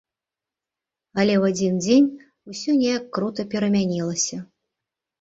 Але ў адзін дзень усё неяк крута перамянілася.